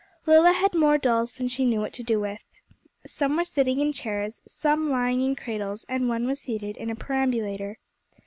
* Lilla had more dolls than she knew what to do with. Some were sitting in chairs, some lying in cradles, and one was seated in a perambulator.